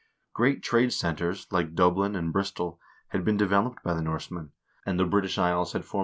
Great trade centers, like Dublin and Bristol, had been developed by the Norsemen, and the British Isles had formed 1 P.